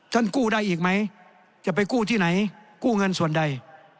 กู้ได้อีกไหมจะไปกู้ที่ไหนกู้เงินส่วนใด